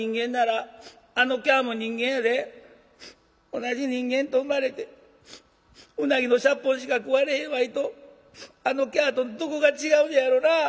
同じ人間と生まれてうなぎのしゃっぽんしか食われへんわいとあのキャとどこが違うねやろな。